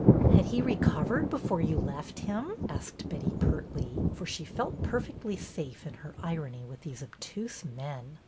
Had he recovered before you left him ?" asked Betty, pertly, for she felt perfectly safe in her irony with these obtuse men.